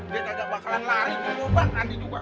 dia gak bakalan lari gerobak andi dubah